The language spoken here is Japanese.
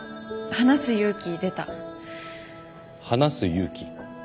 話す勇気？